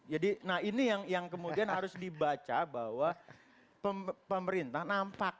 jadi nah ini yang kemudian harus dibaca bahwa pemerintah nampak